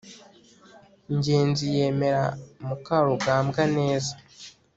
ngenzi yemera mukarugambwa neza